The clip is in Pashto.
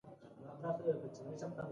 بلنټ وایي په دغه ورځو کې.